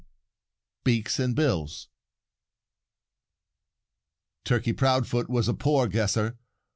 XX BEAKS AND BILLS Turkey Proudfoot was a poor guesser.